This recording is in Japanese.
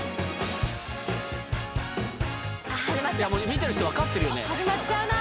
見てる人分かってるよね。